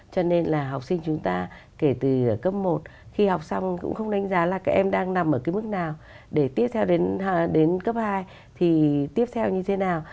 cho nên là học sinh chúng ta kể từ cấp một khi học xong cũng không đánh giá là các em đang nằm ở cái mức nào để tiếp theo đến cấp hai thì tiếp theo như thế nào